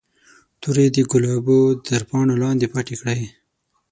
تورې د ګلابو تر پاڼو لاندې پټې کړئ.